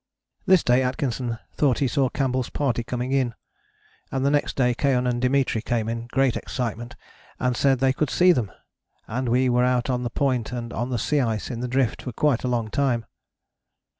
" This day Atkinson thought he saw Campbell's party coming in, and the next day Keohane and Dimitri came in great excitement and said they could see them, and we were out on the Point and on the sea ice in the drift for quite a long time.